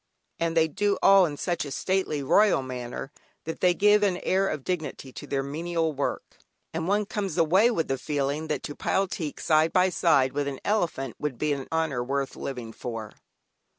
And they do all in such a stately, royal manner, that they give an air of dignity to the menial work, and one comes away with the feeling that to pile teak side by side with an elephant would be an honour worth living for.